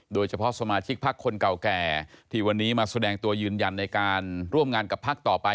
โดยเฉพาะสมาชิกพักคนเก่าแก่ที่วันนี้มาแสดงตัวยืนยันในการร่วมงานกับพักต่อไป